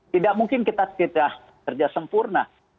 tidak mungkin kita kerja sempurna